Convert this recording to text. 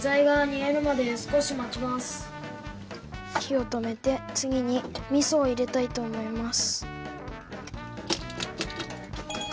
火を止めて次に味噌を入れたいと思います。